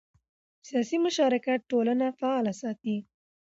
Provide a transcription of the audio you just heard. سیاسي مشارکت ټولنه فعاله ساتي